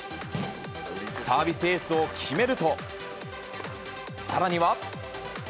サービスエースを決めると、さらには。